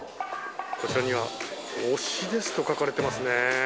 こちらには、推しです。と書かれてますね。